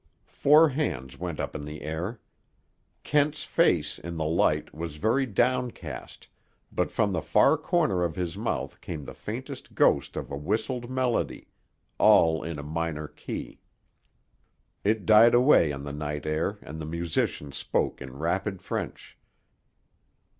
Four hands went up in the air. Kent's face, in the light, was very downcast, but from the far corner of his mouth came the faintest ghost of a whistled melody—all in a minor key. It died away on the night air and the musician spoke in rapid French.